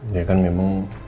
dia kan memang